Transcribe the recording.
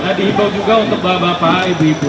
nah dihibau juga untuk bapak ibu ibu